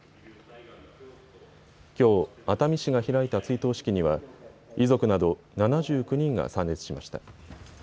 きょう、熱海市が開いた追悼式には遺族など７９人が参列しました。